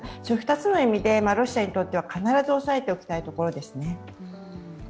２つの意味でロシアにとっては必ず押さえておきたいところですね。